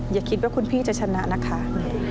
อย่าคิดว่าคุณพี่จะชนะนะคะ